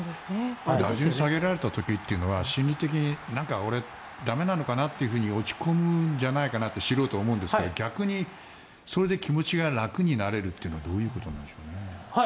打順下げられた時は心理的に俺ダメなのかなって落ち込むんじゃないかなと素人は思うんですけど逆にそれで気持ちが楽になれるというのはどういうことなんですかね。